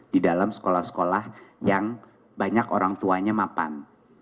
di dalam sekolah sekolah yang banyak orang tuanya mapan